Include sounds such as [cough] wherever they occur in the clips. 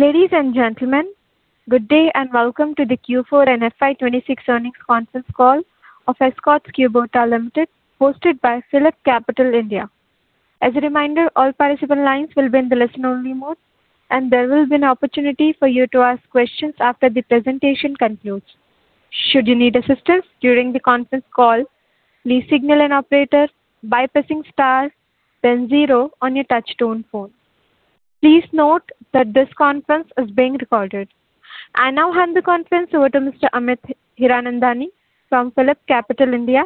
Ladies and gentlemen, good day, and Welcome to the Q4 and FY 2026 Earnings Conference Call of Escorts Kubota Limited, hosted by PhillipCapital India. As a reminder, all participant lines will be in the listen-only mode, and there will be an opportunity for you to ask questions after the presentation concludes. Should you need assistance during the conference call, please signal an operator by pressing star then zero on your touch-tone phone. Please note that this conference is being recorded. I now hand the conference over to Mr. Amit Hiranandani from PhillipCapital India.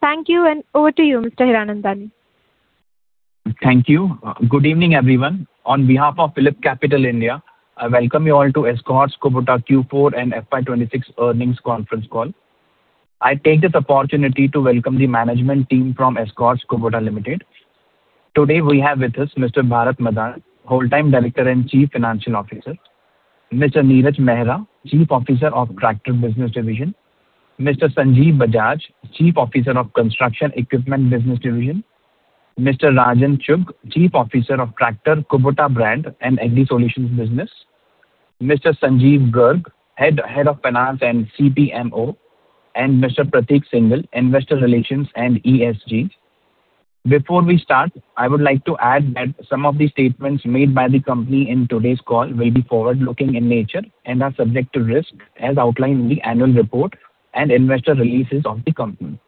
Thank you, over to you, Mr. Hiranandani. Thank you. Good evening, everyone. On behalf of PhillipCapital India, I welcome you all to Escorts Kubota Q4 and FY 2026 earnings conference call. I take this opportunity to welcome the management team from Escorts Kubota Limited. Today, we have with us Mr. Bharat Madan, Whole-Time Director and Chief Financial Officer. Mr. Neeraj Mehra, Chief Officer of Tractor Business Division. Mr. Sanjeev Bajaj, Chief Officer of Construction Equipment Business Division. Mr. Rajan Chugh, Chief Officer of Tractor Kubota Brand and Agri Solutions Business. Mr. Sanjeev Garg, Head of Finance and CPMO, and Mr. Prateek Singhal, Investor Relations & ESG. Before we start, I would like to add that some of the statements made by the company in today's call will be forward-looking in nature and are subject to risk, as outlined in the annual report and investor releases of the company.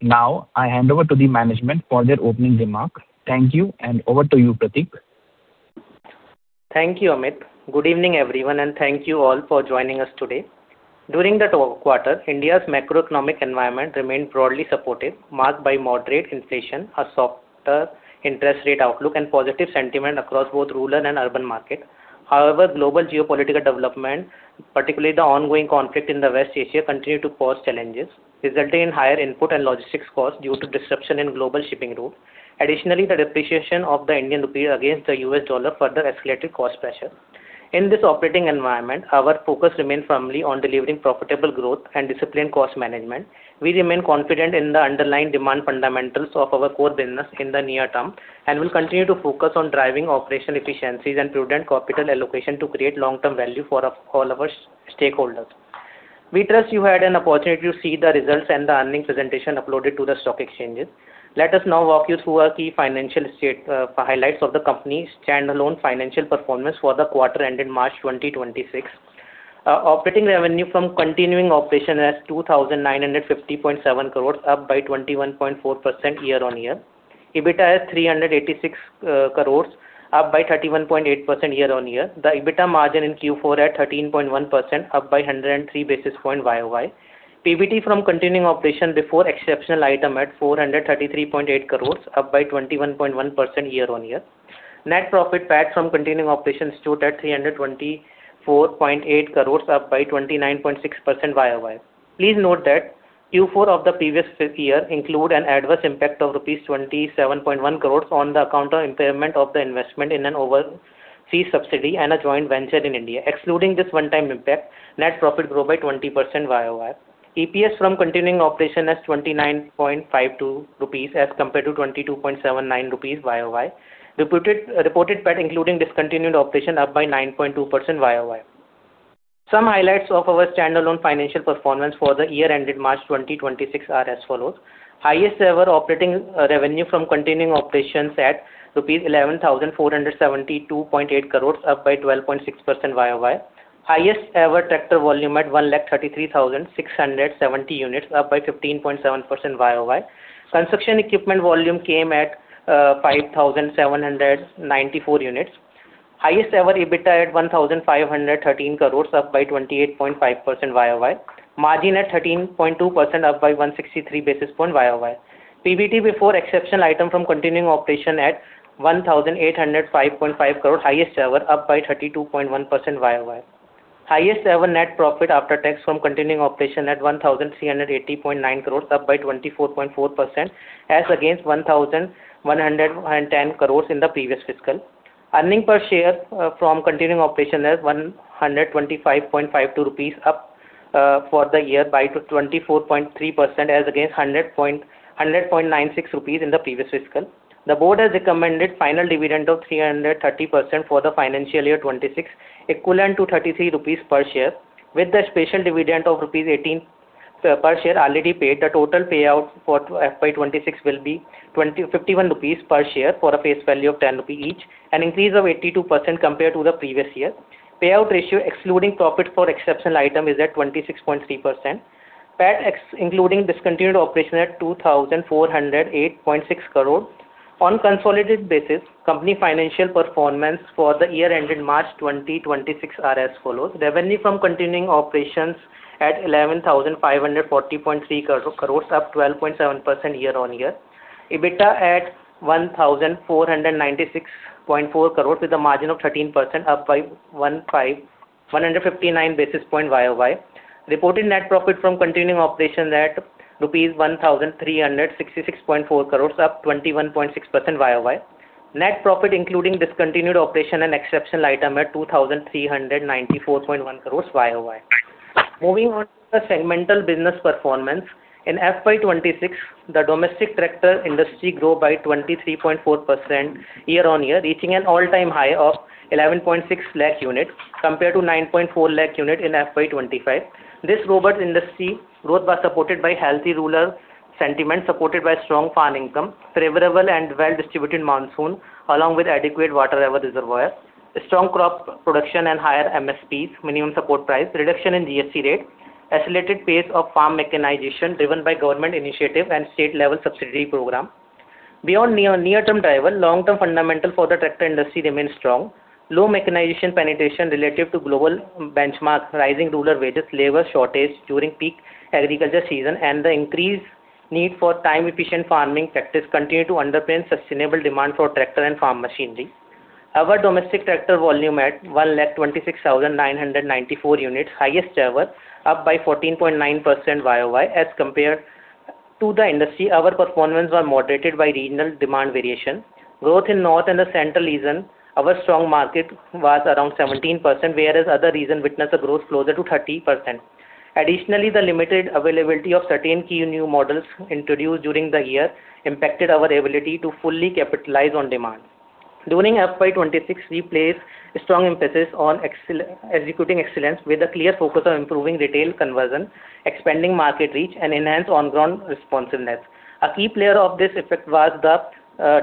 Now, I hand over to the management for their opening remarks. Thank you, and over to you, Prateek. Thank you, Amit. Good evening, everyone, and thank you all for joining us today. During the quarter, India's macroeconomic environment remained broadly supportive, marked by moderate inflation, a softer interest rate outlook, and positive sentiment across both rural and urban markets. However, global geopolitical development, particularly the ongoing conflict in the West Asia, continued to cause challenges, resulting in higher input and logistics costs due to disruption in global shipping routes. Additionally, the depreciation of the Indian rupee against the U.S. Dollar further escalated cost pressure. In this operating environment, our focus remains firmly on delivering profitable growth and disciplined cost management. We remain confident in the underlying demand fundamentals of our core business in the near term and will continue to focus on driving operational efficiencies and prudent capital allocation to create long-term value for all our stakeholders. We trust you had an opportunity to see the results and the earning presentation uploaded to the stock exchanges. Let us now walk you through our key financial state, highlights of the company's standalone financial performance for the quarter ended March 2026. Operating revenue from continuing operation at 2,950.7 crores, up by 21.4% year-on-year. EBITDA at 386 crores, up by 31.8% year-on-year. The EBITDA margin in Q4 at 13.1%, up by 103 basis points YOY. PBT from continuing operation before exceptional item at 433.8 crores, up by 21.1% year-on-year. Net profit PAT from continuing operations stood at 324.8 crores, up by 29.6% YOY. Please note that Q4 of the previous year include an adverse impact of rupees 27.1 crores on the account or impairment of the investment in an overseas subsidiary and a joint venture in India. Excluding this one-time impact, net profit grow by 20% YOY. EPS from continuing operations at 29.52 rupees as compared to 22.79 rupees YOY. Reported PAT including discontinued operation up by 9.2% YOY. Some highlights of our standalone financial performance for the year ended March 2026 are as follows. Highest ever operating revenue from continuing operations at rupees 11,472.8 crores, up by 12.6% YOY. Highest ever tractor volume at 133,670 units, up by 15.7% YOY. Construction equipment volume came at 5,794 units. Highest ever EBITDA at 1,513 crores, up by 28.5% YOY. Margin at 13.2%, up by 163 basis points YOY. PBT before exceptional item from continuing operation at 1,805.5 crores, highest ever, up by 32.1% YOY. Highest ever net profit after tax from continuing operation at INR 1,380.9 crores, up by 24.4% as against INR 1,110 crores in the previous fiscal. Earning per share from continuing operation at INR 125.52, up for the year by 24.3% as against INR 100.96 in the previous fiscal. The board has recommended final dividend of 330% for the financial year 2026, equivalent to 33 rupees per share. With the special dividend of rupees 18 per share already paid, the total payout for FY 2026 will be 51 rupees per share for a face value of 10 rupees each, an increase of 82% compared to the previous year. Payout ratio excluding profit for exceptional item is at 26.3%. PAT including discontinued operation at 2,408.6 crore. On consolidated basis, company financial performance for the year ended March 2026 are as follows. Revenue from continuing operations at 11,540.3 crores, up 12.7% year-on-year. EBITDA at 1,496.4 crores with a margin of 13%, up by 159 basis points YOY. Reported net profit from continuing operations at rupees 1,366.4 crores, up 21.6% YOY. Net profit including discontinued operation and exceptional item at 2,394.1 crores YOY. Moving on to the segmental business performance. In FY 2026, the domestic tractor industry grow by 23.4% year-on-year, reaching an all-time high of 1,160,000 units compared to 940,000 units in FY 2025. This robust industry growth was supported by healthy rural sentiment, supported by strong farm income, favorable and well-distributed monsoon, along with adequate water-level reservoir, strong crop production and higher MSPs, minimum support price, reduction in GST rate, accelerated pace of farm mechanization driven by government initiative and state-level subsidy program. Beyond near-term driver, long-term fundamental for the tractor industry remains strong. Low mechanization penetration relative to global benchmark, rising rural wages, labor shortage during peak agriculture season, and the increased need for time-efficient farming practice continue to underpin sustainable demand for tractor and farm machinery. Our domestic tractor volume at 126,994 units, highest ever, up by 14.9% YOY. As compared to the industry, our performance was moderated by regional demand variation. Growth in north and the central region, our strong market was around 17%, whereas other region witnessed a growth closer to 30%. Additionally, the limited availability of certain key new models introduced during the year impacted our ability to fully capitalize on demand. During FY 2026, we placed a strong emphasis on executing excellence with a clear focus on improving retail conversion, expanding market reach, and enhance on-ground responsiveness. A key player of this effect was the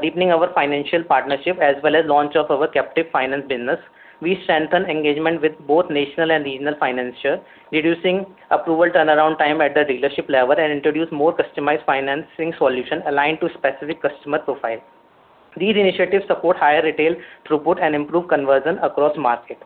deepening our financial partnership as well as launch of our captive finance business. We strengthen engagement with both national and regional financier, reducing approval turnaround time at the dealership level and introduce more customized financing solution aligned to specific customer profile. These initiatives support higher retail throughput and improve conversion across market.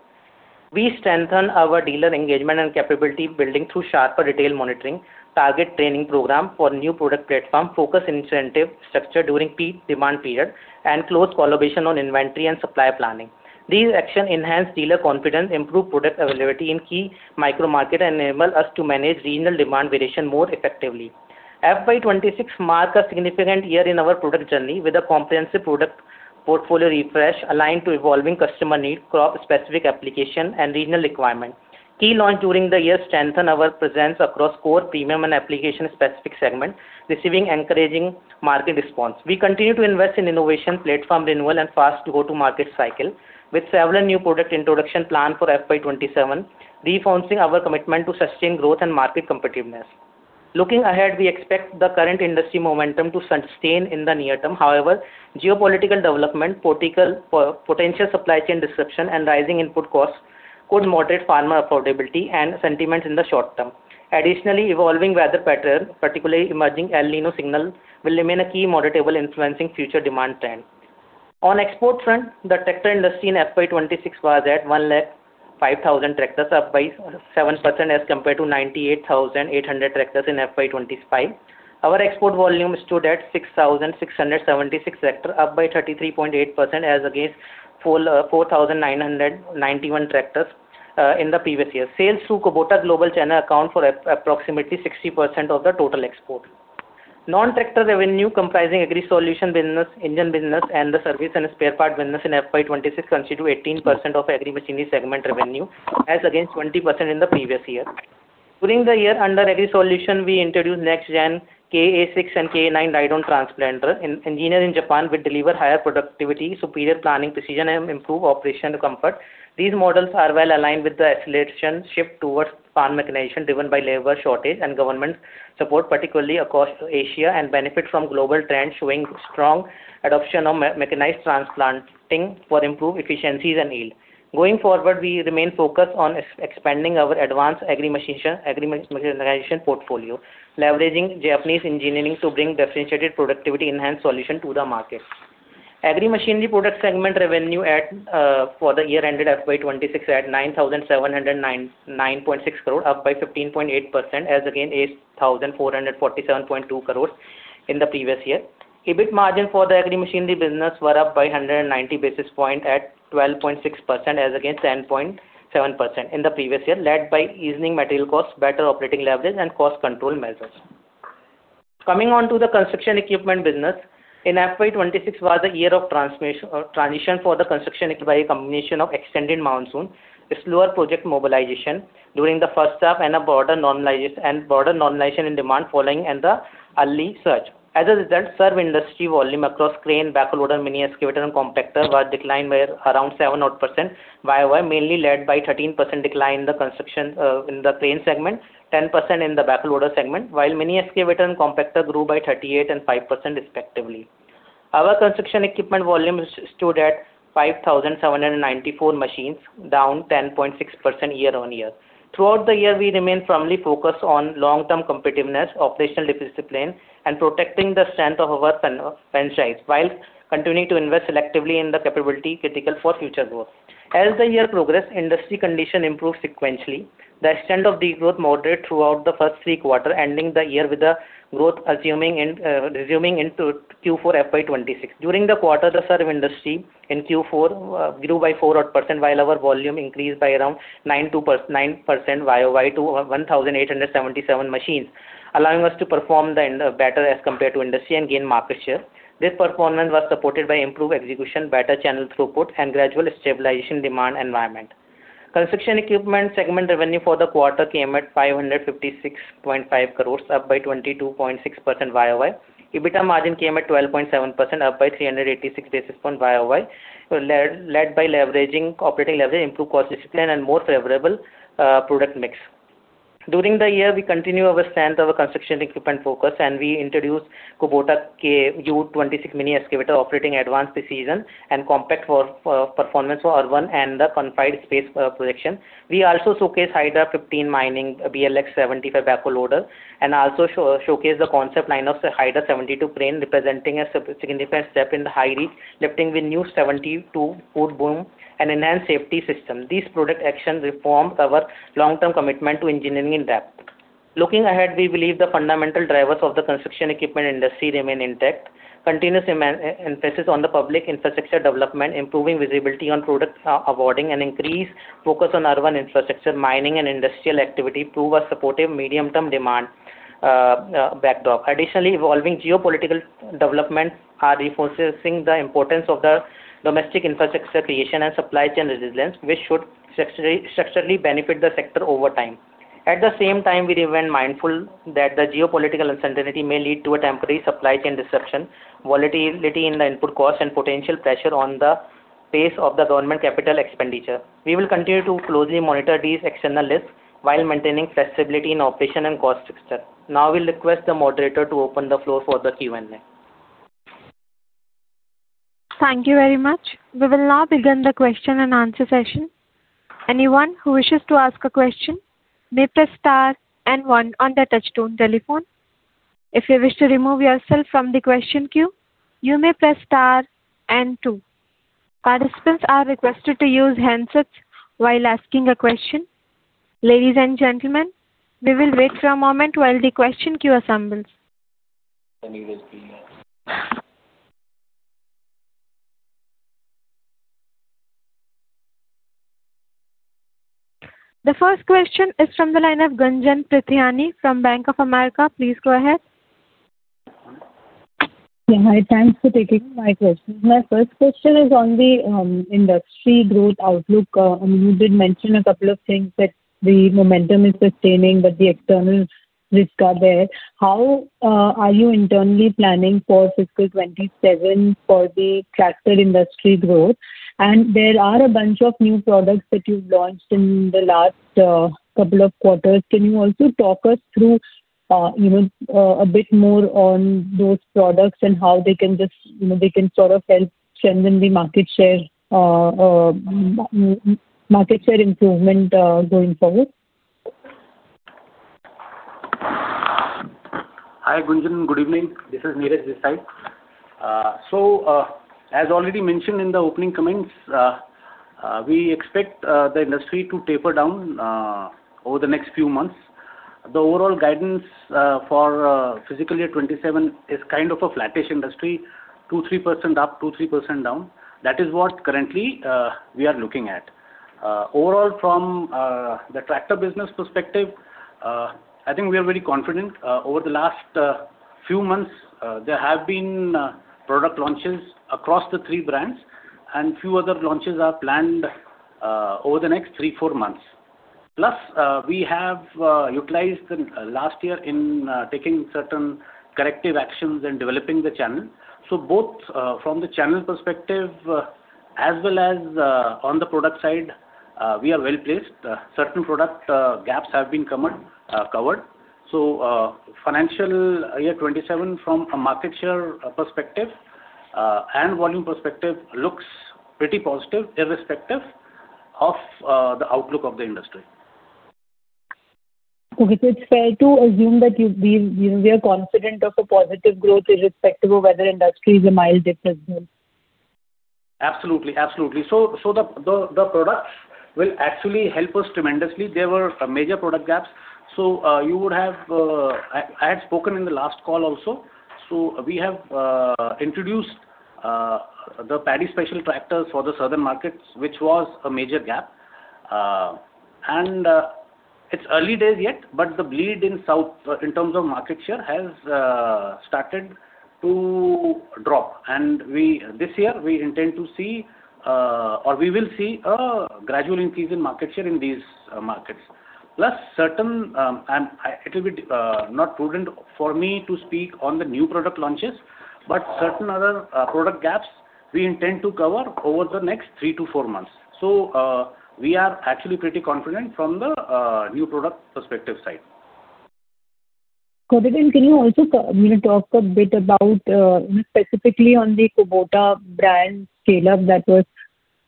We strengthen our dealer engagement and capability building through sharper retail monitoring, target training program for new product platform, focus incentive structure during peak demand period, and close collaboration on inventory and supply planning. These action enhance dealer confidence, improve product availability in key micro-market, enable us to manage regional demand variation more effectively. FY 2026 mark a significant year in our product journey with a comprehensive product portfolio refresh aligned to evolving customer need, crop-specific application, and regional requirement. Key launch during the year strengthen our presence across core premium and application-specific segment, receiving encouraging market response. We continue to invest in innovation platform renewal and fast go-to-market cycle with several new product introduction plan for FY 2027, reinforcing our commitment to sustained growth and market competitiveness. Looking ahead, we expect the current industry momentum to sustain in the near term. However, geopolitical development, potential supply chain disruption, and rising input costs could moderate farmer affordability and sentiment in the short term. Additionally, evolving weather pattern, particularly emerging El Niño signal, will remain a key moderating variable influencing future demand trend. On export front, the tractor industry in FY 2026 was at 105,000 tractors, up by 7% as compared to 98,800 tractors in FY 2025. Our export volume stood at 6,676 tractors, up by 33.8% as against 4,991 tractors in the previous year. Sales through Kubota Global Channel account for approximately 60% of the total export. Non-tractor revenue comprising agri solution business, engine business, and the service and spare part business in FY 2026 constitute 18% of agri machinery segment revenue as against 20% in the previous year. During the year, under agri solution, we introduced next gen KA6 and KA8 ride-on transplanter engineered in Japan, which deliver higher productivity, superior planning precision, and improve operation comfort. These models are well aligned with the acceleration shift towards farm mechanization driven by labor shortage and government support, particularly across Asia, and benefit from global trend showing strong adoption of mechanized transplanting for improved efficiencies and yield. Going forward, we remain focused on expanding our advanced agri mechanization portfolio, leveraging Japanese engineering to bring differentiated productivity enhanced solution to the market. Agri machinery product segment revenue for the year ended FY 2026 at 9,709.6 crore, up by 15.8% as against 8,447.2 crore in the previous year. EBIT margin for the agri machinery business were up by 190 basis points at 12.6% as against 10.7% in the previous year, led by easing material costs, better operating leverage and cost control measures. Coming on to the Construction Equipment business. In FY 2026 was a year of transition for the construction by a combination of extended monsoon, a slower project mobilization during the first half, and a broader normalization in demand following an early surge. As a result, serve industry volume across crane, backhoe loader, mini excavator and compactor was declined by around 7% YOY, mainly led by 13% decline in the construction, in the crane segment, 10% in the backhoe loader segment, while mini excavator and compactor grew by 38% and 5% respectively. Our construction equipment volume stood at 5,794 machines, down 10.6% year-on-year. Throughout the year, we remain firmly focused on long-term competitiveness, operational discipline, and protecting the strength of our franchise, while continuing to invest selectively in the capability critical for future growth. As the year progress, industry condition improved sequentially. The extent of the growth moderate throughout the first three quarter, ending the year with a growth assuming in, resuming into Q4 FY 2026. During the quarter, the serve industry in Q4 grew by 4 odd percent, while our volume increased by around 9% YOY to 1,877 machines, allowing us to perform better as compared to industry and gain market share. This performance was supported by improved execution, better channel throughput, and gradual stabilization demand environment. Construction equipment segment revenue for the quarter came at 556.5 crores, up by 22.6% YOY. EBITDA margin came at 12.7%, up by 386 basis points YOY. Led by leveraging operating leverage, improved cost discipline, and more favorable product mix. During the year, we continue our strength of our construction equipment focus, and we introduced Kubota K-U 26 mini excavator operating advanced precision and compact for performance for urban and the confined space projection. We also showcase Hydra 15 mining BLX 75 backhoe loader and also showcase the concept line of the Hydra 72 crane, representing a significant step in the high reach, lifting the new 72-foot boom and enhanced safety system. These product actions reform our long-term commitment to engineering in depth. Looking ahead, we believe the fundamental drivers of the construction equipment industry remain intact. Continuous emphasis on the public infrastructure development, improving visibility on product awarding, and increased focus on urban infrastructure, mining and industrial activity prove a supportive medium-term demand backdrop. Evolving geopolitical developments are reinforcing the importance of the domestic infrastructure creation and supply chain resilience, which should structurally benefit the sector over time. We remain mindful that the geopolitical uncertainty may lead to a temporary supply chain disruption, volatility in the input cost and potential pressure on the pace of the government capital expenditure. We will continue to closely monitor these external risks while maintaining flexibility in operation and cost structure. We will request the moderator to open the floor for the Q&A. Thank you very much. We will now begin the question and answer session. Anyone who wishes to ask a question may press star and one on their touch-tone telephone. If you wish to remove yourself from the question queue, you may press star and two. Participants are requested to use handsets while asking a question. Ladies and gentlemen, we will wait for a moment while the question queue assembles. The first question is from the line of Gunjan Prithyani from Bank of America. Please go ahead. Yeah. Hi. Thanks for taking my questions. My first question is on the industry growth outlook. You did mention a couple of things that the momentum is sustaining, but the external risks are there. How are you internally planning for fiscal 2027 for the tractor industry growth? There are a bunch of new products that you've launched in the last couple of quarters. Can you also talk us through, you know, a bit more on those products and how they can just, you know, they can sort of help strengthen the market share improvement going forward? Hi, Gunjan. Good evening. This is Neeraj this side. As already mentioned in the opening comments, we expect the industry to taper down over the next few months. The overall guidance for fiscal year 2027 is kind of a flattish industry, 2%-3% up, 2%-3% down. That is what currently we are looking at. Overall from the tractor business perspective, I think we are very confident. Over the last few months, there have been product launches across the three brands, and few other launches are planned over the next three, four months. Plus, we have utilized the last year in taking certain corrective actions and developing the channel. Both from the channel perspective as well as on the product side, we are well-placed. Certain product gaps have been covered. Financial year 2027 from a market share perspective and volume perspective looks pretty positive, irrespective of the outlook of the industry. Okay. It's fair to assume that you've been, you know, we are confident of a positive growth irrespective of whether industry is a mild dip as well. Absolutely. Absolutely. The products will actually help us tremendously. There were major product gaps. You would have, I had spoken in the last call also. We have introduced the paddy special tractors for the southern markets, which was a major gap. It's early days yet, but the bleed in south in terms of market share has started to drop. We, this year, we intend to see, or we will see a gradual increase in market share in these markets. Certain, it will be not prudent for me to speak on the new product launches, but certain other product gaps we intend to cover over the next three to four months. We are actually pretty confident from the new product perspective side. Got it. Can you also you know, talk a bit about, you know, specifically on the Kubota brand scale-up that was,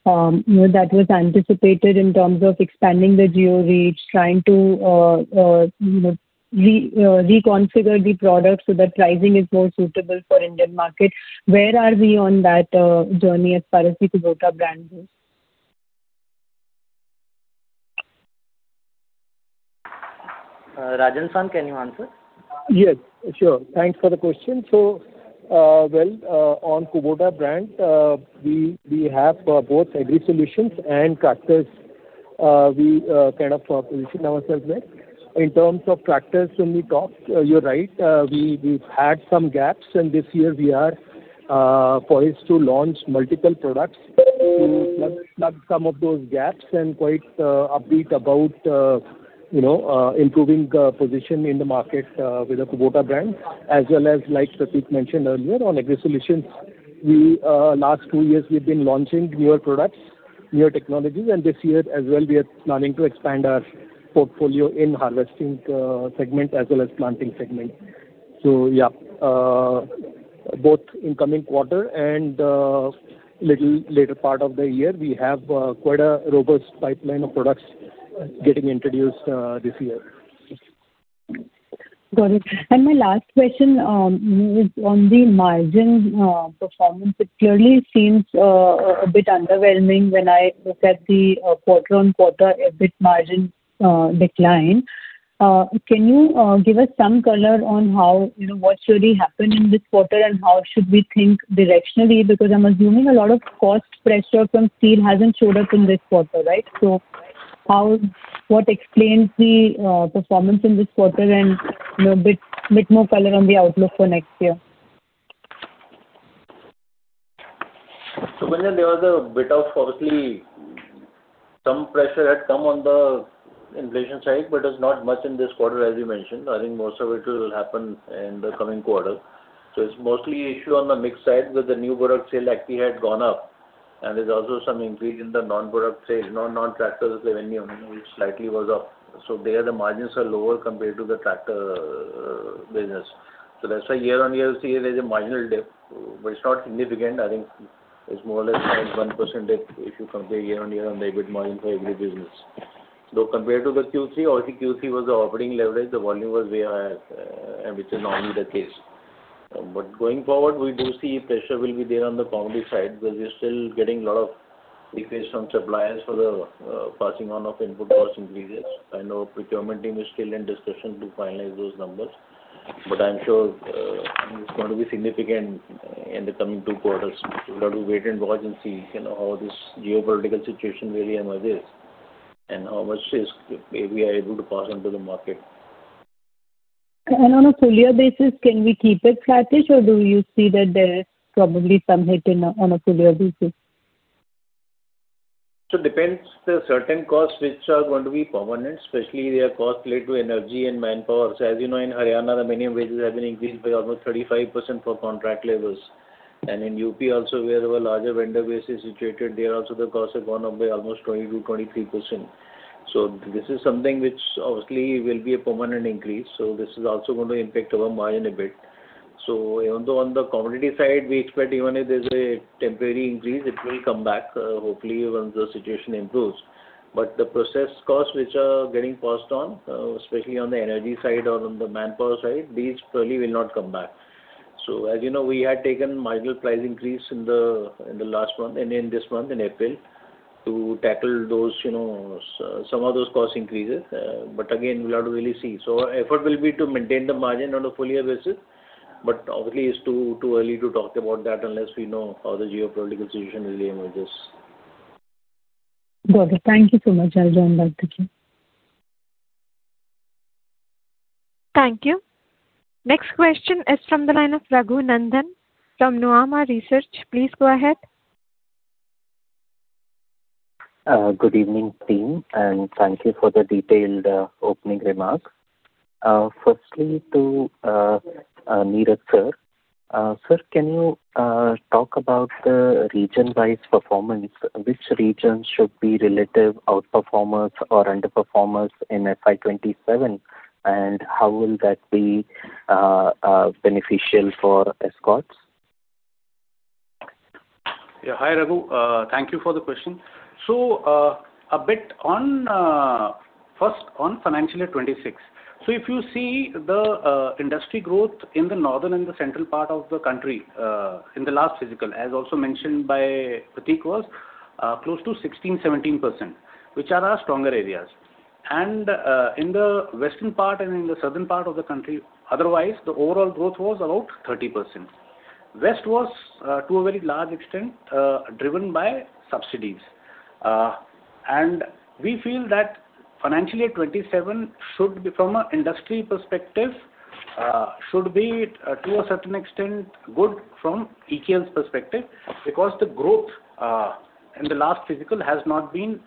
you know, that was anticipated in terms of expanding the geo reach, trying to, you know, reconfigure the product so that pricing is more suitable for Indian market. Where are we on that journey as far as the Kubota brand goes? Rajan Chugh, can you answer? Yes, sure. Thanks for the question. Well, on Kubota brand, we have both agri solutions and tractors. We kind of position ourselves there. In terms of tractors when we talked, you're right, we've had some gaps, and this year we are poised to launch multiple products to plug some of those gaps and quite upbeat about, you know, improving position in the market with the Kubota brand. As well as, like Prateek mentioned earlier, on agri solutions, we last two years we've been launching newer products, newer technologies. This year as well we are planning to expand our portfolio in harvesting segment as well as planting segment. Yeah. Both in coming quarter and, little later part of the year, we have quite a robust pipeline of products getting introduced, this year. Got it. My last question is on the margin performance. It clearly seems a bit underwhelming when I look at the quarter-on-quarter EBIT margin decline. Can you give us some color on how, you know, what really happened in this quarter and how should we think directionally? I'm assuming a lot of cost pressure from steel hasn't showed up in this quarter, right? What explains the performance in this quarter and, you know, a bit more color on the outlook for next year. Prithyani, there was a bit of obviously some pressure had come on the inflation side, but it is not much in this quarter, as you mentioned. I think most of it will happen in the coming quarter. It is mostly issue on the mix side with the new product sale actually had gone up and there is also some increase in the non-product sales. No, non-tractors revenue, you know, which slightly was up. There the margins are lower compared to the tractor business. That is why year-on-year we see there is a marginal dip, but it is not significant. I think it is more or less like 1% dip if you compare year-on-year on the EBIT margin for agri business. Compared to the Q3, obviously Q3 was the operating leverage. The volume was way higher, and which is normally the case. Going forward, we do see pressure will be there on the commodity side because we are still getting lot of requests from suppliers for the passing on of input cost increases. I know procurement team is still in discussion to finalize those numbers, I'm sure it's going to be significant in the coming two quarters. We've got to wait and watch and see, you know, how this geopolitical situation really emerges and how much risk we are able to pass on to the market. On a full year basis, can we keep it flattish or do you see that there is probably some hit in, on a full year basis? Depends. There are certain costs which are going to be permanent, especially they are costs related to energy and manpower. As you know, in Haryana, the minimum wages have been increased by almost 35% for contract labors. In UP also where our larger vendor base is situated, there also the costs have gone up by almost 20%-23%. This is something which obviously will be a permanent increase, this is also going to impact our margin a bit. Although on the commodity side we expect even if there's a temporary increase, it will come back, hopefully once the situation improves. The process costs which are getting passed on, especially on the energy side or on the manpower side, these probably will not come back. As you know, we had taken marginal price increase in the last month and in this month, in April, to tackle those, you know, some of those cost increases. Again, we'll have to really see. Our effort will be to maintain the margin on a full year basis, but obviously it's too early to talk about that unless we know how the geopolitical situation really emerges. Got it. Thank you so much. I will join back the queue. Thank you. Next question is from the line of Raghu Nandan from Nuvama Research. Please go ahead. Good evening team, thank you for the detailed opening remarks. Firstly to Neeraj, sir. Sir, can you talk about the region-wise performance, which regions should be relative outperformers or underperformers in FY 2027, and how will that be beneficial for Escorts? Yeah. Hi, Raghu. Thank you for the question. A bit on first on financial year 2026. If you see the industry growth in the northern and the central part of the country, in the last fiscal, as also mentioned by Prateek, was close to 16%, 17%, which are our stronger areas. In the western part and in the southern part of the country, otherwise the overall growth was about 30%. West was to a very large extent driven by subsidies. We feel that financial year 2027 should be, from a industry perspective, to a certain extent good from EKL's perspective because the growth in the last fiscal has not been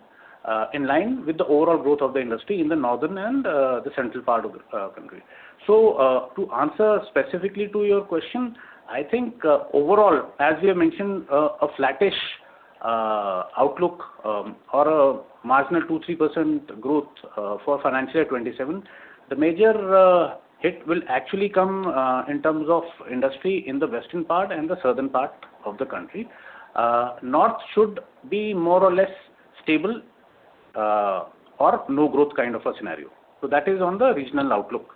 in line with the overall growth of the industry in the northern and the central part of the country. To answer specifically to your question, I think, overall, as we have mentioned, a flattish outlook, or a marginal 2%-3% growth, for financial year 2027. The major hit will actually come in terms of industry in the western part and the southern part of the country. North should be more or less stable, or no growth kind of a scenario. That is on the regional outlook.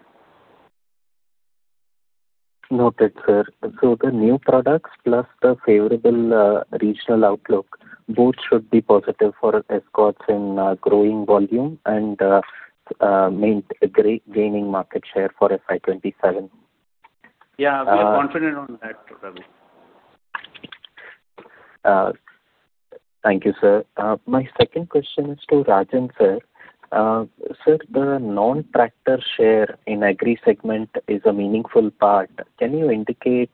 Noted, sir. The new products plus the favorable regional outlook both should be positive for Escorts in growing volume and gaining market share for FY 2027. Yeah. We are confident on that totally. Thank you, sir. My second question is to Rajan, sir. Sir, the non-tractor share in agri segment is a meaningful part. Can you indicate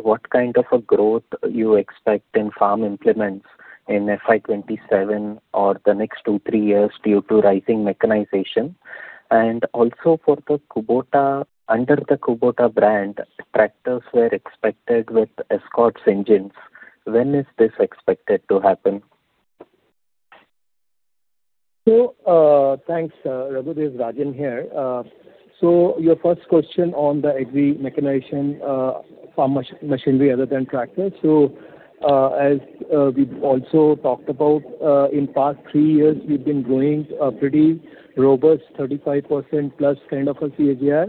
what kind of a growth you expect in farm implements in FY 2027 or the next two, three years due to rising mechanization? Also for the Kubota under the Kubota brand, tractors were expected with Escorts engines. When is this expected to happen? Thanks, Raghu. This is Rajan here. Your first question on the agri mechanization, farm machinery other than tractors. As we've also talked about, in past three years, we've been growing a pretty robust 35%+ kind of a CAGR.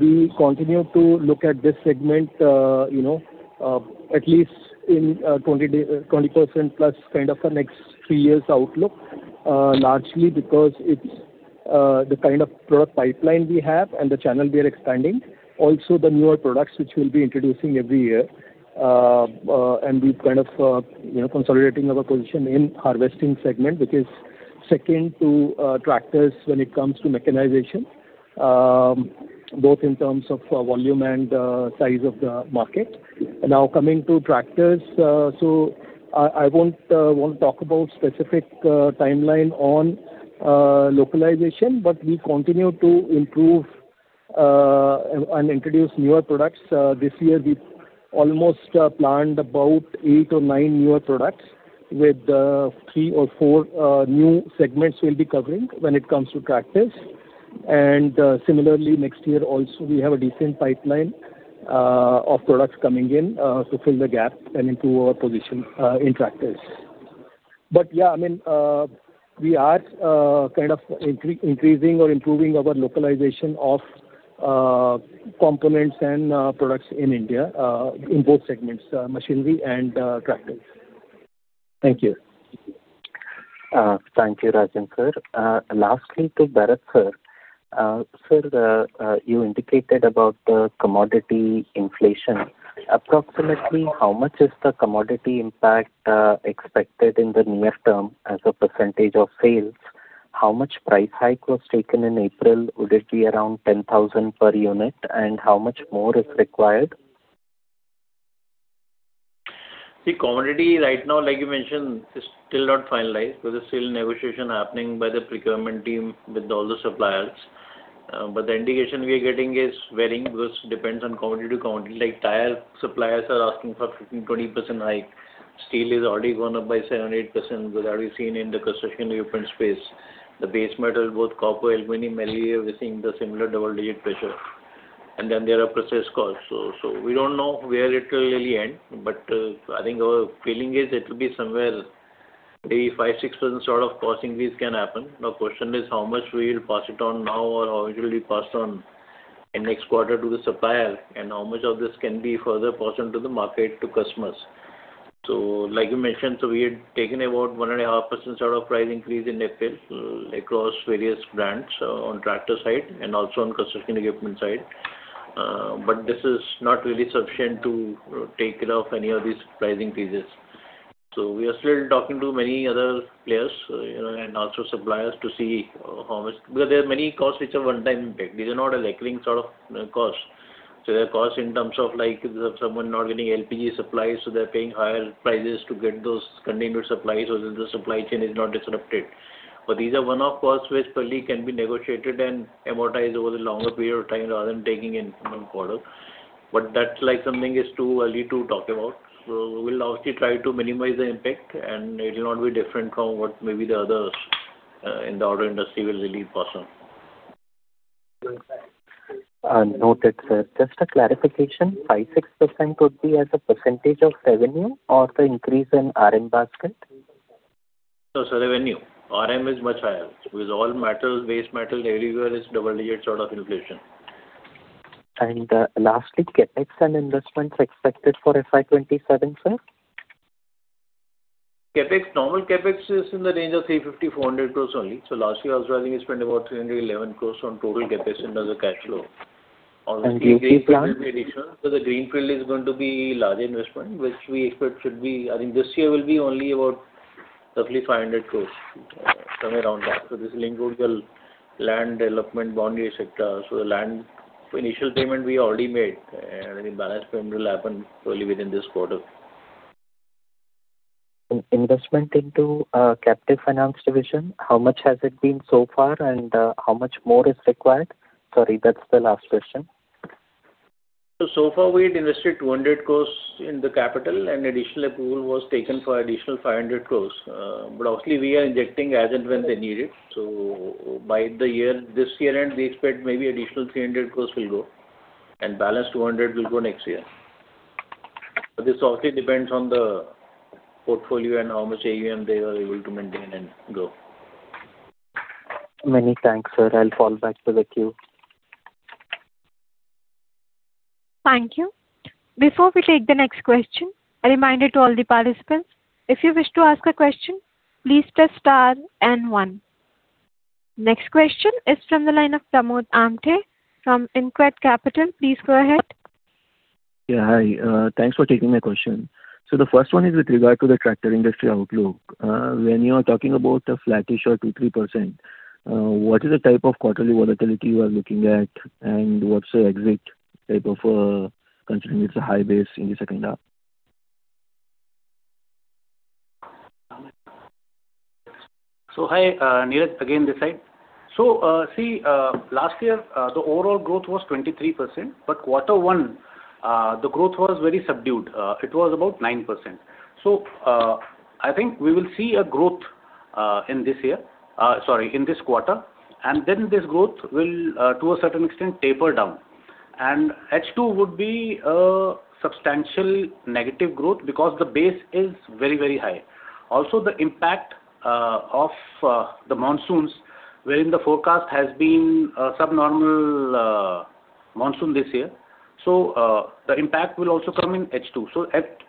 We continue to look at this segment, you know, at least in 20%+ kind of a next three years outlook. Largely because it's the kind of product pipeline we have and the channel we are expanding. Also the newer products which we'll be introducing every year. We're kind of, you know, consolidating our position in harvesting segment, which is second to tractors when it comes to mechanization, both in terms of volume and size of the market. Coming to tractors. I won't talk about specific timeline on localization, but we continue to improve and introduce newer products. This year we've almost planned about eight or nine newer products with three or four new segments we'll be covering when it comes to tractors. Similarly, next year also, we have a decent pipeline of products coming in to fill the gap and improve our position in tractors. I mean, we are kind of increasing or improving our localization of components and products in India in both segments, machinery and tractors. Thank you. Thank you, Rajan, sir. Lastly to Bharat, sir. Sir, you indicated about the commodity inflation. Approximately how much is the commodity impact expected in the near term as a percentage of sales? How much price hike was taken in April? Would it be around 10,000 per unit? How much more is required? See, commodity right now, like you mentioned, is still not finalized. There's still negotiation happening by the procurement team with all the suppliers. But the indication we are getting is varying because depends on commodity to commodity. Like tire suppliers are asking for 15%, 20% hike. Steel is already gone up by 7%, 8%. That we've seen in the Construction Equipment space. The base metal, both copper, aluminum, we're seeing the similar double-digit pressure. And then there are process costs. We don't know where it will really end, but I think our feeling is it will be somewhere maybe 5%, 6% sort of costing fees can happen. Question is how much we'll pass it on now or how it will be passed on in next quarter to the supplier and how much of this can be further passed on to the market to customers. Like you mentioned, we had taken about 1.5% sort of price increase in April across various brands, on tractor side and also on construction equipment side. But this is not really sufficient to take care of any of these pricing increases. We are still talking to many other players, you know, and also suppliers to see how much. Because there are many costs which are one time impact. These are not a recurring sort of cost. There are costs in terms of like someone not getting LPG supplies, so they're paying higher prices to get those continued supplies so that the supply chain is not disrupted. These are one-off costs which probably can be negotiated and amortized over the longer period of time rather than taking in from one quarter. That's like something is too early to talk about. We'll obviously try to minimize the impact, and it will not be different from what maybe the others in the auto industry will really pass on. Noted, sir. Just a clarification. 5%, 6% could be as a percentage of revenue or the increase in RM basket? No, sir, revenue. RM is much higher. With all metals, base metal everywhere is double-digit sort of inflation. Lastly, CapEx and investments expected for FY 2027, sir? CapEx, normal CapEx is in the range of 350 crore-400 crore only. Last year also, I think we spent about 311 crore on total CapEx in terms of cash flow. [crosstalk] Greenfield plan? The Greenfield is going to be large investment, which we expect should be I think this year will be only about roughly 500 crores, somewhere around that. This will include the land development boundary sector. The land initial payment we already made, and the balance payment will happen probably within this quarter. Investment into captive finance division, how much has it been so far, and how much more is required? Sorry, that's the last question. So far we had invested 200 crores in the capital, and additional approval was taken for additional 500 crores. Obviously we are injecting as and when they need it. By the year, this year end, we expect maybe additional 300 crores will go, and balance 200 crore will go next year. This also depends on the portfolio and how much AUM they are able to maintain and grow. Many thanks, sir. I'll fall back to the queue. Thank you. Before we take the next question, a reminder to all the participants. If you wish to ask a question, please press star and one. Next question is from the line of Pramod Amthe from InCred Capital. Please go ahead. Yeah, hi. Thanks for taking my question. The first one is with regard to the tractor industry outlook. When you are talking about a flattish or 2-3%, what is the type of quarterly volatility you are looking at, and what's the exit type of, considering it's a high base in the second half? Hi, Neeraj again this side. See, last year, the overall growth was 23%, but Q1, the growth was very subdued. It was about 9%. I think we will see a growth in this year sorry, in this quarter, then this growth will to a certain extent, taper down. H2 would be a substantial negative growth because the base is very, very high. Also, the impact of the monsoons wherein the forecast has been a subnormal monsoon this year. The impact will also come in H2.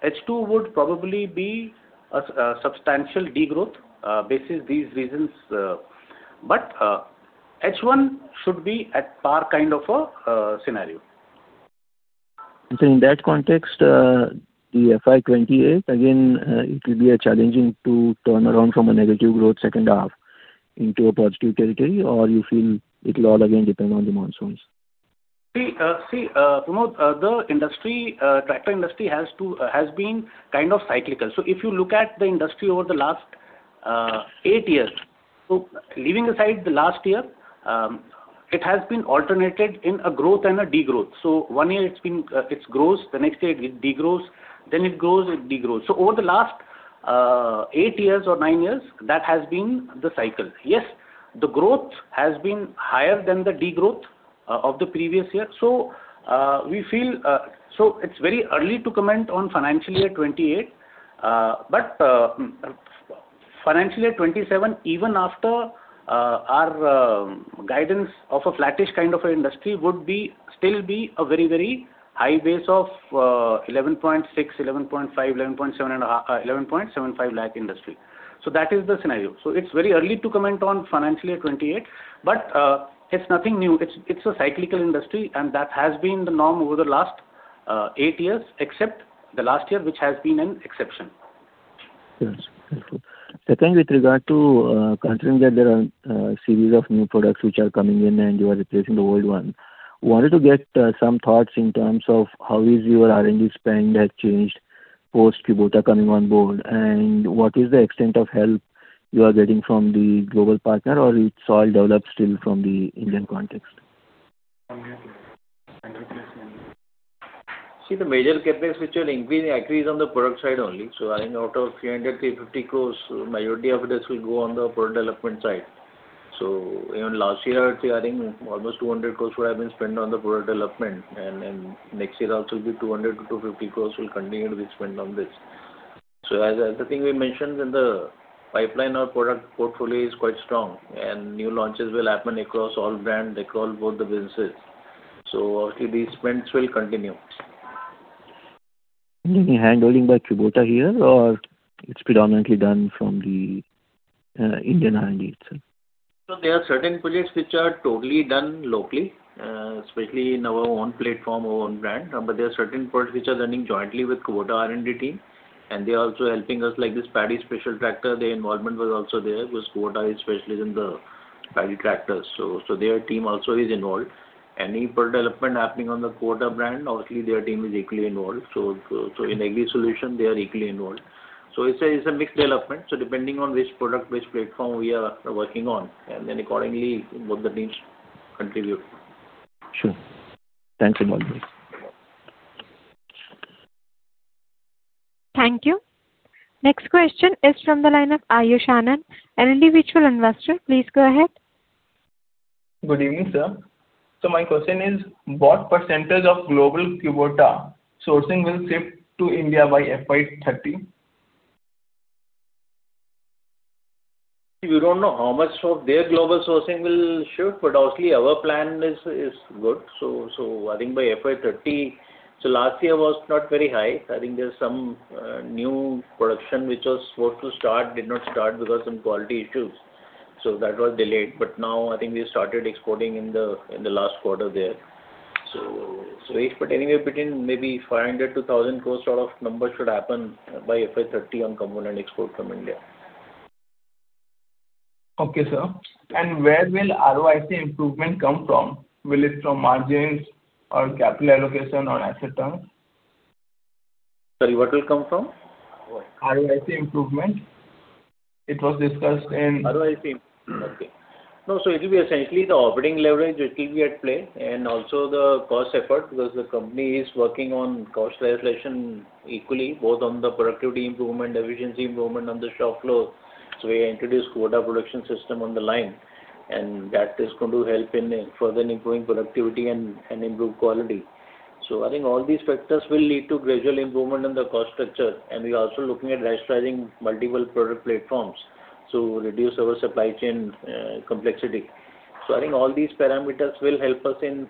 H2 would probably be a substantial degrowth basis these reasons. H1 should be at par kind of a scenario. In that context, the FY 2028, again, it will be a challenging to turn around from a negative growth second half into a positive territory or you feel it'll all again depend on the monsoons? See, Pramod, the industry, tractor industry has been kind of cyclical. If you look at the industry over the last eight years, leaving aside the last year, it has been alternated in a growth and a degrowth. One year it's been, it grows, the next year it degrows, then it grows, it degrows. Over the last eight years or nine years, that has been the cycle. Yes, the growth has been higher than the degrowth of the previous year. We feel it's very early to comment on financial year 2028. But financial year 2027, even after our guidance of a flattish kind of an industry would be, still be a very, very high base of 1,160,000, 1,150,000, 1,175,000. That is the scenario. It's very early to comment on financial year 2028, but it's nothing new. It's a cyclical industry, and that has been the norm over the last 8 years, except the last year, which has been an exception. Yes. Helpful. Second, with regard to, considering that there are series of new products which are coming in and you are replacing the old one, wanted to get some thoughts in terms of how is your R&D spend has changed post Kubota coming on board, and what is the extent of help you are getting from the global partner or it's all developed still from the Indian context? The major CapEx which are increasing actually is on the product side only. I think out of 300 crores, 350 crores, majority of this will go on the product development side. Even last year, I think almost 200 crores would have been spent on the product development and next year also will be 200 crores, 250 crores will continue to be spent on this. As I think we mentioned in the pipeline, our product portfolio is quite strong, and new launches will happen across all brand, across both the businesses. Actually these spends will continue. Any handling by Kubota here or it's predominantly done from the Indian R&D itself? There are certain projects which are totally done locally, especially in our own platform, our own brand. There are certain products which are running jointly with Kubota R&D team, and they are also helping us like this paddy special tractor, their involvement was also there because Kubota is specialist in the paddy tractors. Their team also is involved. Any product development happening on the Kubota brand, obviously their team is equally involved. In agri solution they are equally involved. It's a mixed development. Depending on which product, which platform we are working on, and then accordingly both the teams contribute. Sure. Thanks a lot. Thank you. Next question is from the line of Ayush Anand, an individual investor. Please go ahead. Good evening, sir. My question is, what percentage of global Kubota sourcing will shift to India by FY 2030? We don't know how much of their global sourcing will shift, but obviously our plan is good. I think by FY 2030. Last year was not very high. I think there's some new production which was supposed to start, did not start because some quality issues. That was delayed. Now I think we started exporting in the last quarter there. If anywhere between maybe 500 crores-1,000 crore sort of numbers should happen by FY 2030 on component export from India. Okay, sir. Where will ROIC improvement come from? Will it from margins or capital allocation or asset terms? Sorry, what will come from? ROIC improvement. ROIC. Okay. No, it will be essentially the operating leverage which will be at play and also the cost effort because the company is working on cost realization equally, both on the productivity improvement, efficiency improvement on the shop floor. We introduced Kubota Production System on the line, and that is going to help in further improving productivity and improve quality. I think all these factors will lead to gradual improvement in the cost structure and we are also looking at rationalizing multiple product platforms to reduce our supply chain complexity. I think all these parameters will help us in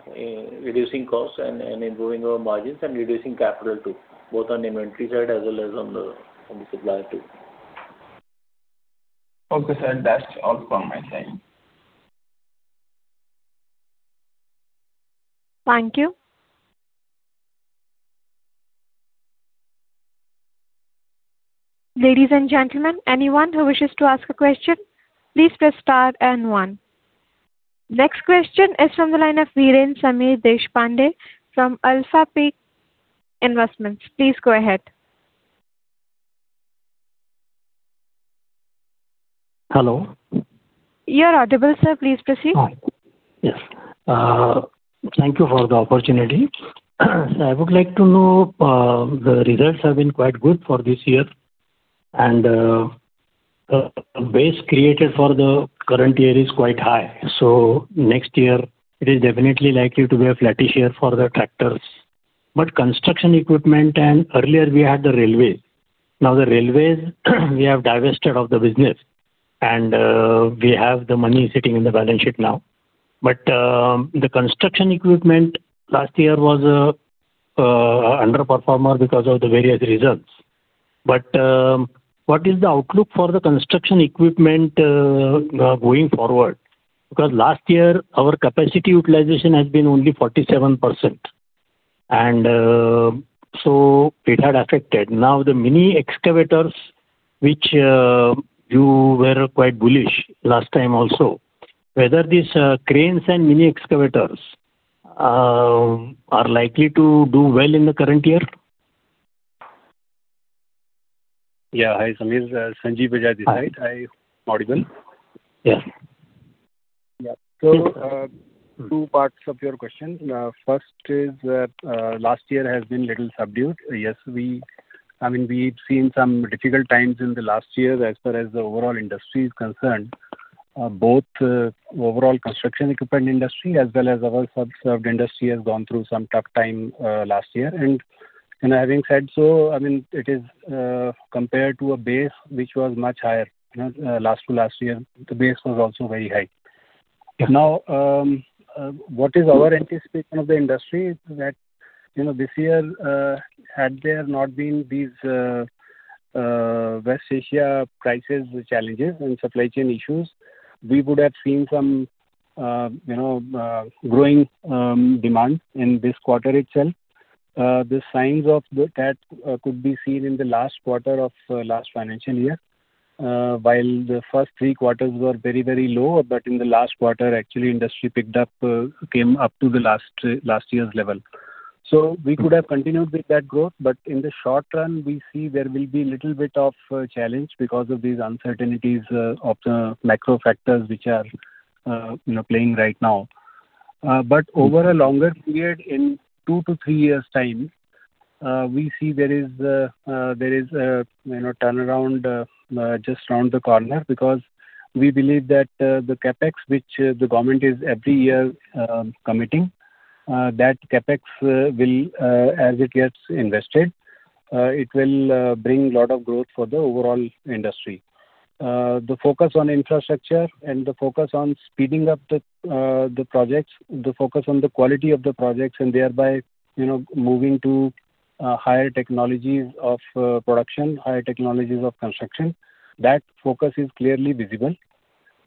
reducing costs and improving our margins and reducing capital too, both on inventory side as well as on the supplier too. Okay, sir. That's all from my side. Thank you. Ladies and gentlemen, anyone who wishes to ask a question, please press star and one. Next question is from the line of Viren Samir Deshpande from Alpha Peak Investments. Please go ahead. Hello. You're audible, sir. Please proceed. Hi. Yes. Thank you for the opportunity. I would like to know, the results have been quite good for this year and, base created for the current year is quite high. Next year it is definitely likely to be a flattish year for the tractors. Construction equipment and earlier we had the railway. Now, the railways we have divested of the business and, we have the money sitting in the balance sheet now. The construction equipment last year was underperformer because of the various reasons. What is the outlook for the construction equipment going forward? Because last year our capacity utilization has been only 47% and, it had affected. The mini excavators, which you were quite bullish last time also, whether these cranes and mini excavators are likely to do well in the current year? Yeah. Hi, Samir. Sanjeev Bajaj this side. Hi. Audible? Yeah. Two parts of your question. First is that, last year has been little subdued. Yes, I mean, we've seen some difficult times in the last year as far as the overall industry is concerned. Both, overall construction equipment industry as well as our sub-industry has gone through some tough time last year. Having said so, I mean, it is compared to a base which was much higher, you know, last to last year, the base was also very high. Now, what is our anticipation of the industry is that, you know, this year, had there not been these West Asia crisis challenges and supply chain issues, we would have seen some, you know, growing demand in this quarter itself. The signs of that could be seen in the last quarter of last financial year. While the first three quarters were very, very low, but in the last quarter, actually industry picked up, came up to the last year's level. We could have continued with that growth, but in the short run we see there will be little bit of challenge because of these uncertainties of the macro factors which are, you know, playing right now. Over a longer period, in two to three years' time, we see there is, you know, turnaround just around the corner because we believe that the CapEx which the government is every year committing, that CapEx will as it gets invested, it will bring lot of growth for the overall industry. The focus on infrastructure and the focus on speeding up the projects, the focus on the quality of the projects and thereby, you know, moving to higher technologies of production, higher technologies of construction, that focus is clearly visible.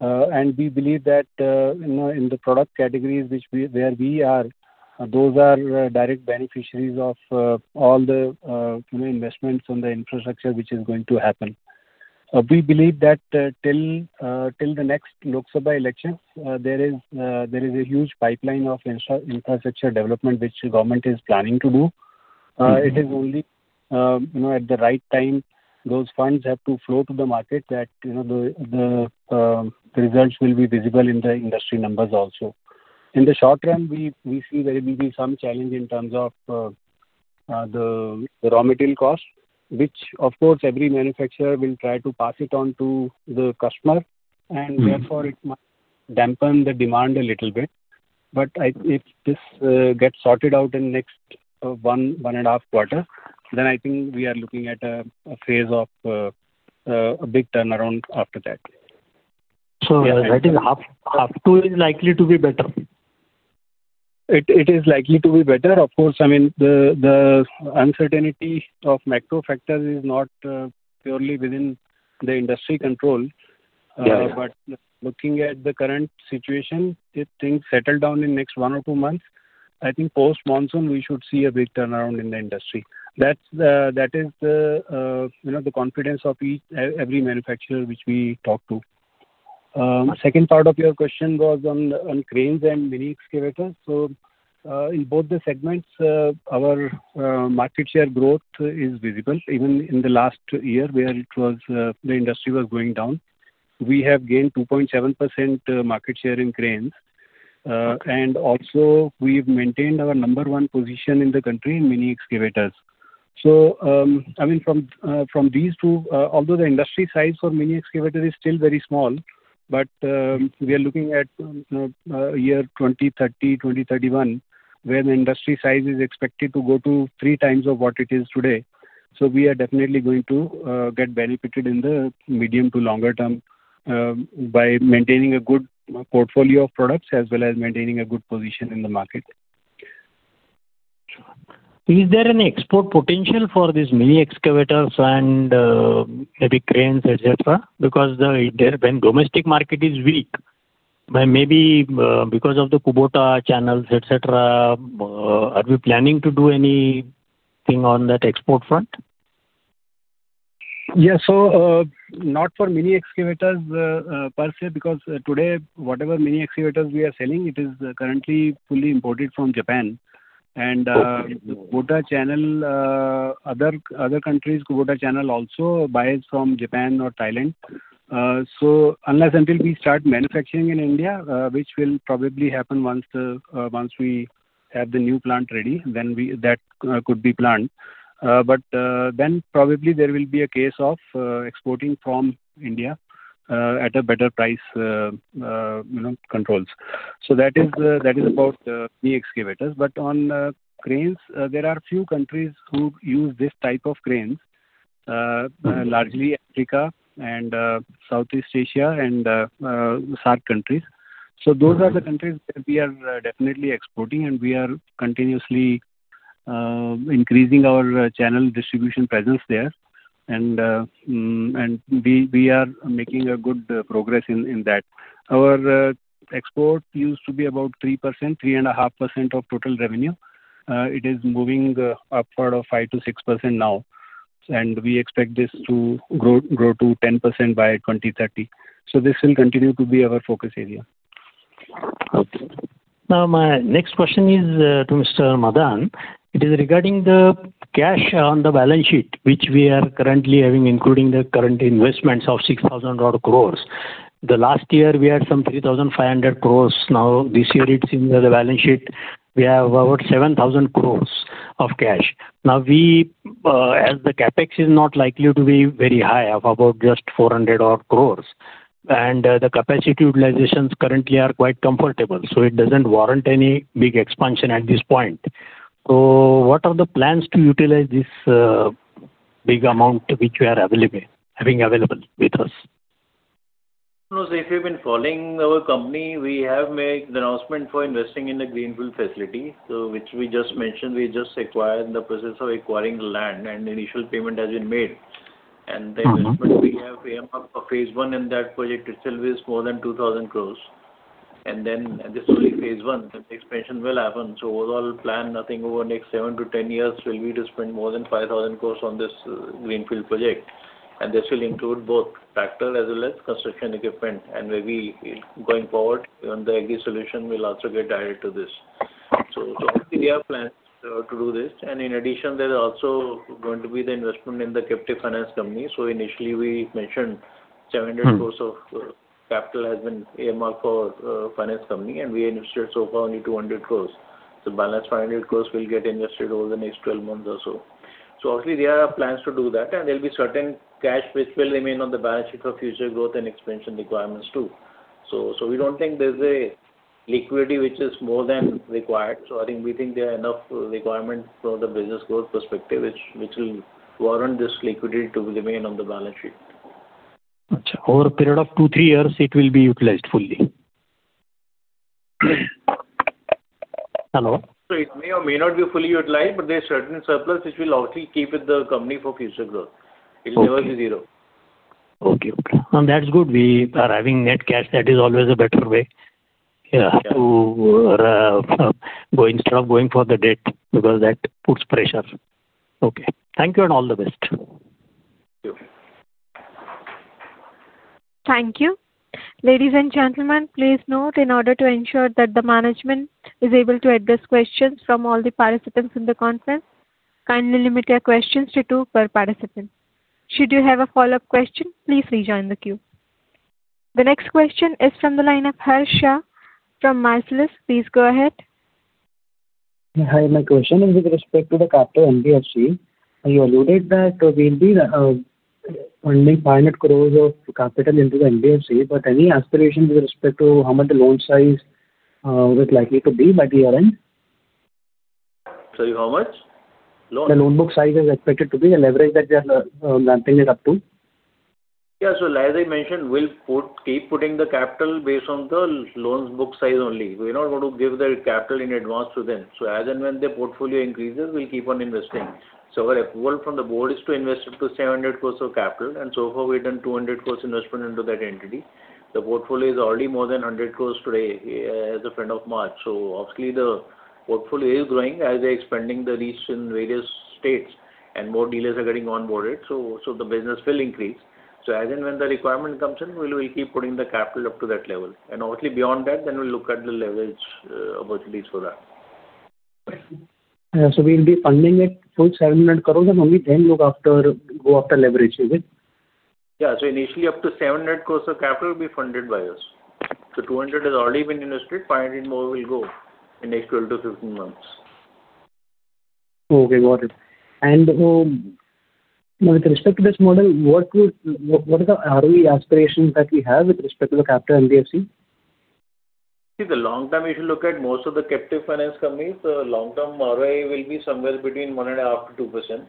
We believe that, you know, in the product categories which we, where we are, those are direct beneficiaries of all the, you know, investments on the infrastructure which is going to happen. We believe that till the next Lok Sabha elections, there is a huge pipeline of infrastructure development which the government is planning to do. It is only, you know, at the right time, those funds have to flow to the market that, you know, the results will be visible in the industry numbers also. In the short run, we see there will be some challenge in terms of the raw material cost, which of course every manufacturer will try to pass it on to the customer. Therefore it might dampen the demand a little bit. If this gets sorted out in next 1.5 quarter, I think we are looking at a phase of a big turnaround after that. Yeah. I think half two is likely to be better. It is likely to be better. Of course, I mean, the uncertainty of macro factors is not purely within the industry control. Looking at the current situation, if things settle down in next one or two months, I think post-monsoon we should see a big turnaround in the industry. That is the, you know, the confidence of each, every manufacturer which we talk to. Second part of your question was on cranes and mini excavators. In both the segments, our market share growth is visible. Even in the last year where it was, the industry was going down, we have gained 2.7% market share in cranes. Also we've maintained our number one position in the country in mini excavators. From these two, although the industry size for mini excavator is still very small, we are looking at year 2030, 2031, where the industry size is expected to go to three times of what it is today. We are definitely going to get benefited in the medium to longer term by maintaining a good portfolio of products as well as maintaining a good position in the market. Is there any export potential for these mini excavators and maybe cranes, et cetera? Because when domestic market is weak, maybe because of the Kubota channels, et cetera, are we planning to do anything on that export front? Yeah. Not for mini excavators, per se, because today, whatever mini excavators we are selling, it is currently fully imported from Japan. Kubota channel, other countries Kubota channel also buys from Japan or Thailand. Unless until we start manufacturing in India, which will probably happen once the, once we have the new plant ready, then we that could be planned. Then probably there will be a case of exporting from India, at a better price, you know, controls. That is, that is about the excavators. On cranes, there are few countries who use this type of cranes, largely Africa and Southeast Asia and SAARC countries. Those are the countries that we are definitely exporting, and we are continuously increasing our channel distribution presence there. We, we are making a good progress in that. Our export used to be about 3.5% of total revenue. It is moving upward of 5%-6% now. We expect this to grow to 10% by 2030. This will continue to be our focus area. Okay. My next question is to Mr. Madan. It is regarding the cash on the balance sheet, which we are currently having, including the current investments of 6,000 odd crores. The last year we had some 3,500 crores. This year it seems the balance sheet we have about 7,000 crores of cash. As the CapEx is not likely to be very high, of about just 400 odd crores, and the capacity utilizations currently are quite comfortable, so it doesn't warrant any big expansion at this point. What are the plans to utilize this big amount which we are available, having available with us? No. If you've been following our company, we have made the announcement for investing in the greenfield facility. Which we just mentioned, we just acquired, in the process of acquiring land and initial payment has been made. The investment we have earmarked for Phase 1 in that project itself is more than 2,000 crore. This is only Phase 1. The expansion will happen. Overall plan, I think over next seven to 10 years will be to spend more than 5,000 crore on this greenfield project. This will include both tractor as well as construction equipment and maybe going forward even the agri solution will also get added to this. We have plans to do this. In addition, there's also going to be the investment in the captive finance company. Initially we mentioned. 700 crores of capital has been earmarked for a finance company, and we invested so far only 200 crores. The balance 500 crores will get invested over the next 12 months or so. Obviously there are plans to do that, and there'll be certain cash which will remain on the balance sheet for future growth and expansion requirements too. We don't think there's a liquidity which is more than required. I think we think there are enough requirements from the business growth perspective which will warrant this liquidity to remain on the balance sheet. Over a period of two, three years it will be utilized fully. Hello? It may or may not be fully utilized, but there are certain surplus which will obviously keep with the company for future growth. It will never be zero. Okay. That's good. We are having net cash to go instead of going for the debt, because that puts pressure. Okay. Thank you, and all the best. Thank you. Thank you. Ladies and gentlemen, please note in order to ensure that the management is able to address questions from all the participants in the conference, kindly limit your questions to two per participant. Should you have a follow-up question, please rejoin the queue. The next question is from the line of Harsh Shah from Marcellus. Please go ahead. Hi. My question is with respect to the Capital NBFC. You alluded that we'll be funding INR 500 crores of capital into the NBFC, but any aspiration with respect to how much the loan size is likely to be by year-end? Sorry, how much? Loan? The loan book size is expected to be, the leverage that you are ramping it up to. As I mentioned, we'll keep putting the capital based on the loans book size only. We're not going to give the capital in advance to them. As and when their portfolio increases, we'll keep on investing. Our approval from the board is to invest up to 700 crore of capital, so far we've done 200 crore investment into that entity. The portfolio is already more than 100 crore today, as of end of March. Obviously the portfolio is growing as they're expanding the reach in various states and more dealers are getting onboarded, so the business will increase. As and when the requirement comes in, we'll keep putting the capital up to that level. Obviously beyond that, then we'll look at the leverage opportunities for that. Yeah. We'll be funding it full 700 crores and only then look after, go after leverage. Is it? Yeah. Initially up to 700 crores of capital will be funded by us. 200 crores has already been invested. 500 crores more will go in next 12 -15 months. Okay, got it. With respect to this model, what is the ROE aspirations that we have with respect to the Capital NBFC? See, the long term, if you look at most of the captive finance companies, the long-term ROA will be somewhere between 1.5%-2%.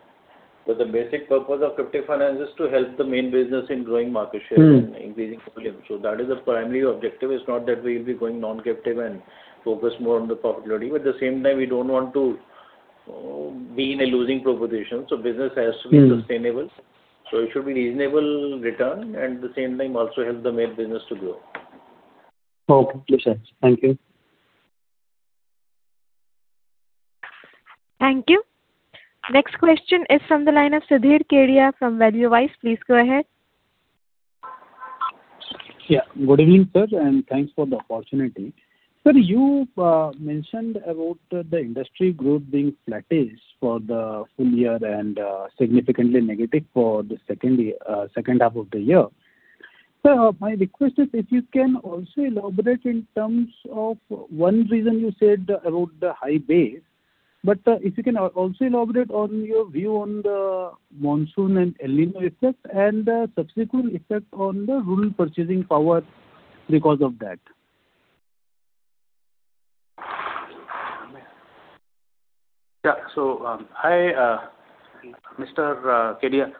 The basic purpose of captive finance is to help the main business in growing market share and increasing volume. That is the primary objective. It's not that we will be going non-captive and focus more on the profitability. At the same time, we don't want to be in a losing proposition so business has to be sustainable. It should be reasonable return and at the same time also help the main business to grow. Okay. Makes sense. Thank you. Thank you. Next question is from the line of [Sudhir Kedia] from Valuewise. Please go ahead. Good evening, sir, and thanks for the opportunity. Sir, you mentioned about the industry growth being flattish for the full year and significantly negative for the second half of the year. Sir, my request is if you can also elaborate in terms of one reason you said about the high base, but if you can also elaborate on your view on the monsoon and El Niño effect and the subsequent effect on the rural purchasing power because of that. Yeah. Hi, Mr. Kedia.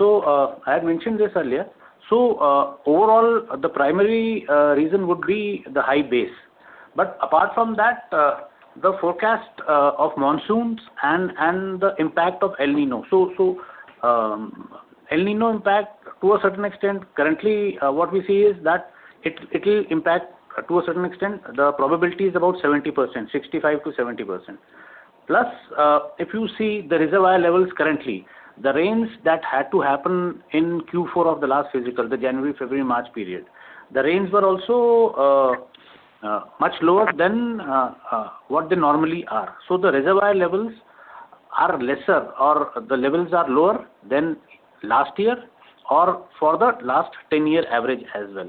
I had mentioned this earlier. Yeah, Sudhir, hi. I had mentioned this earlier. Overall, the primary reason would be the high base. Apart from that, the forecast of monsoons and the impact of El Niño. El Niño impact to a certain extent currently, what we see is that it will impact to a certain extent. The probability is about 70%, 65%-70%. Plus, if you see the reservoir levels currently, the rains that had to happen in Q4 of the last physical, the January, February, March period, the rains were also much lower than what they normally are. The reservoir levels are lesser or the levels are lower than last year or for the last 10-year average as well.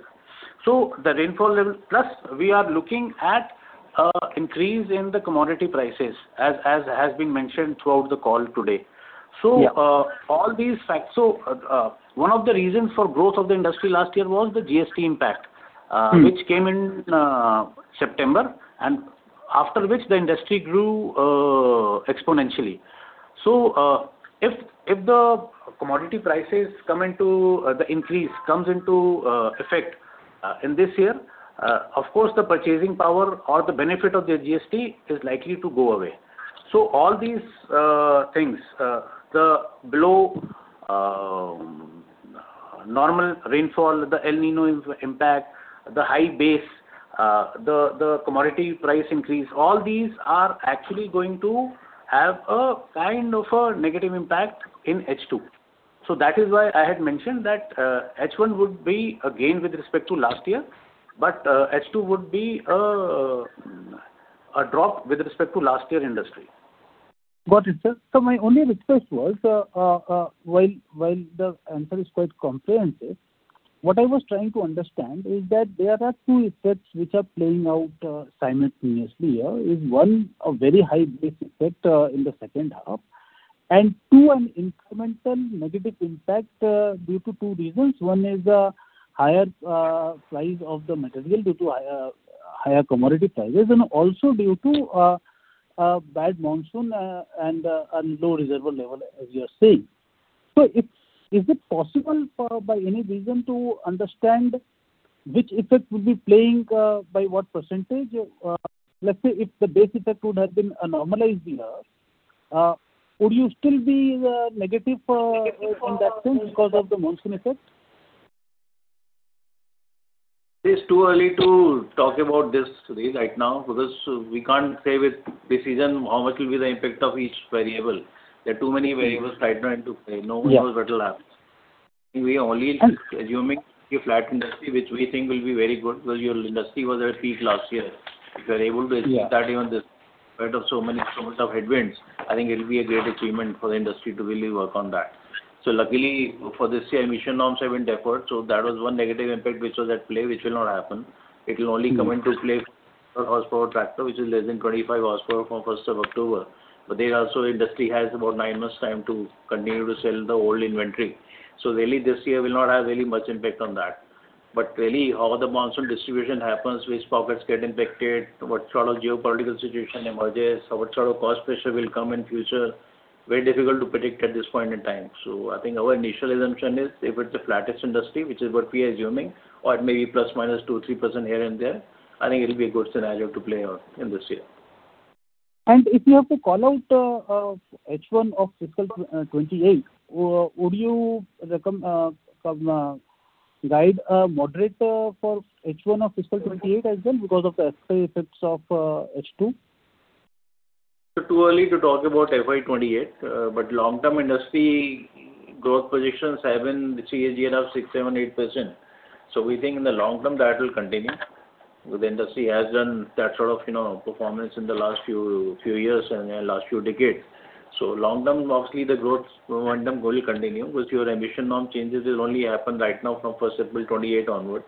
The rainfall level Plus, we are looking at increase in the commodity prices as has been mentioned throughout the call today. One of the reasons for growth of the industry last year was the GST impact which came in September and after which the industry grew exponentially. If the commodity prices come into the increase comes into effect in this year, of course, the purchasing power or the benefit of the GST is likely to go away. All these things, the below normal rainfall, the El Niño impact, the high base, the commodity price increase, all these are actually going to have a kind of a negative impact in H2. That is why I had mentioned that H1 would be a gain with respect to last year, but H2 would be a drop with respect to last year industry. Got it, sir. My only request was, while the answer is quite comprehensive, what I was trying to understand is that there are two effects which are playing out simultaneously here, is one, a very high base effect in the second half, and two, an incremental negative impact due to two reasons. One is the higher price of the material due to higher commodity prices and also due to bad monsoon and low reservoir level, as you are saying. Is it possible for by any reason to understand which effect will be playing by what percentage? Let's say if the base effect would have been normalized here, would you still be negative in that sense because of the monsoon effect? It is too early to talk about this, Sudhir, right now, because we can't say with precision how much will be the impact of each variable. There are too many variables right now into play. No one knows what will happen. We are only assuming a flat industry, which we think will be very good because your industry was at its peak last year. If you are able to maintain that even despite of so many, so much of headwinds, I think it will be a great achievement for the industry to really work on that. Luckily for this year, emission norms have been deferred. That was one negative impact which was at play, which will not happen. It will only come into play for horsepower tractor, which is less than 25 horsepower from 1st of October. There also industry has about nine months time to continue to sell the old inventory. Really this year will not have really much impact on that. Really how the monsoon distribution happens, which pockets get impacted, what sort of geopolitical situation emerges, what sort of cost pressure will come in future, very difficult to predict at this point in time. I think our initial assumption is if it's a flattish industry, which is what we are assuming, or it may be ±2%-3% here and there, I think it will be a good scenario to play out in this year. If you have to call out, H1 of fiscal 2028, would you come, guide, moderate, for H1 of fiscal 2028 as well because of the effects of, H2? It's too early to talk about FY 2028. Long-term industry growth projections have been CAGR of 6%, 7%, 8%. We think in the long-term that will continue. The industry has done that sort of, you know, performance in the last few years and last few decades. Long-term, obviously the growth momentum will continue because your emission norm changes will only happen right now from first April 2028 onward.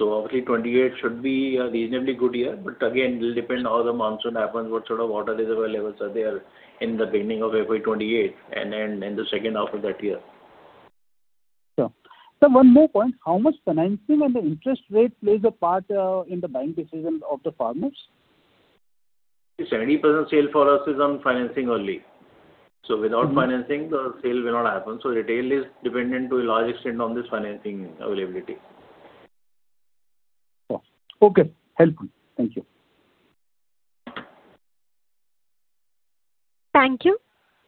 Obviously 2028 should be a reasonably good year. Again, it will depend how the monsoon happens, what sort of water reservoir levels are there in the beginning of FY 2028 and then in the second half of that year. Sure. Sir, one more point. How much financing and the interest rate plays a part in the buying decisions of the farmers? 70% sale for us is on financing only. Without financing, the sale will not happen. Retail is dependent to a large extent on this financing availability. Sure. Okay, helpful. Thank you. Thank you.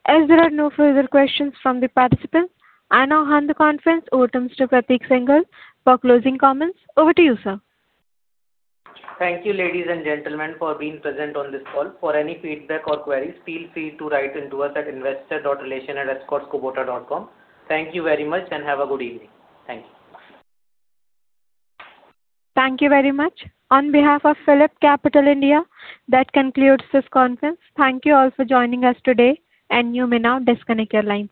As there are no further questions from the participants, I now hand the conference over to Mr. Prateek Singhal for closing comments. Over to you, sir. Thank you, ladies and gentlemen, for being present on this call. For any feedback or queries, feel free to write in to us at investor.relation@escortskubota.com. Thank you very much and have a good evening. Thank you. Thank you very much. On behalf of PhillipCapital India, that concludes this conference. Thank you all for joining us today, and you may now disconnect your lines.